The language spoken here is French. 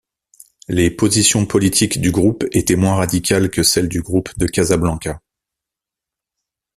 Les positions politiques du groupe étaient moins radicales que celles du groupe de Casablanca.